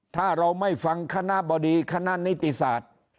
ถ้าเราไม่ฟังคณะบดีคณะนิติศาสตร์